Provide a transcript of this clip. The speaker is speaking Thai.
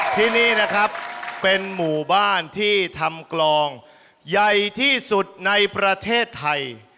ที่นี่นะครับเป็นหมู่บ้านที่ทำกลองใหญ่ที่สุดในประเทศไทย